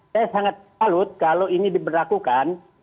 saya sangat salut kalau ini diperlakukan